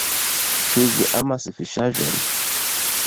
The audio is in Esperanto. Ĉu vi amas fiŝaĵon?